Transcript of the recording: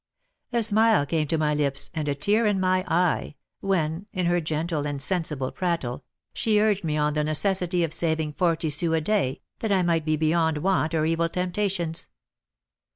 A smile came to my lips, and a tear in my eye, when, in her gentle and sensible prattle, she urged on me the necessity of saving forty sous a day, that I might be beyond want or evil temptations.